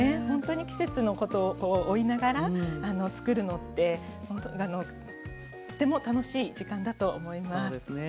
ほんとに季節を追いながらつくるのってとても楽しい時間だと思います。